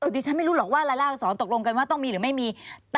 ดิฉันไม่รู้หรอกว่ารายละอักษรตกลงกันว่าต้องมีหรือไม่มี